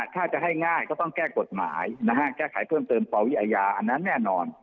ถ้าจะให้ง่ายก็ต้องแก้กฎหมายนะฮะแก้ไขเพิ่มเติมปวิอาญาอันนั้นแน่นอน